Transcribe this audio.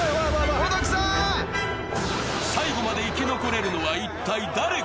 最後まで生き残れるのは、一体誰か。